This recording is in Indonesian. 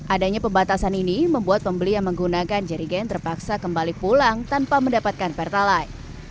adanya pembatasan ini membuat pembeli yang menggunakan jerigen terpaksa kembali pulang tanpa mendapatkan pertalite